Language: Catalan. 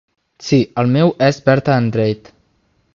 Sí, el meu és Berta Andrade.